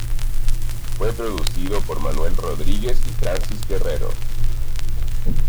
Fue producido por Manuel Rodríguez y Francis Guerrero.